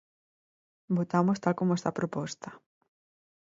Votamos tal como está a proposta.